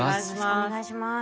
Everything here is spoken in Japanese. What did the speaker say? お願いします。